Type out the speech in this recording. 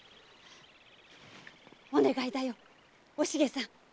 お願いだよおしげさん！